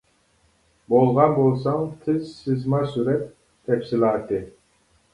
بولغان بولساڭ تېز سىزما سۈرەت، . تەپسىلاتى.